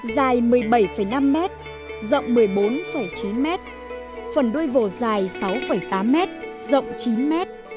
dài một mươi bảy năm m rộng một mươi bốn chín m phần đuôi vổ dài sáu tám m rộng chín m